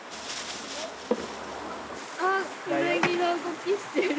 あっうなぎの動きしてる。